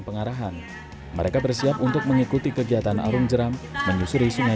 pengarahan mereka bersiap untuk mengikuti kegiatan arung jeram menyusuri sungai